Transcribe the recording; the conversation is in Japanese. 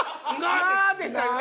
「な」でしたね。